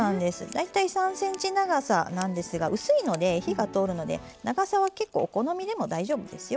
大体３ｃｍ長さなんですが薄いので火が通るので長さは結構お好みでも大丈夫ですよ。